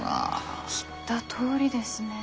言ったとおりですね。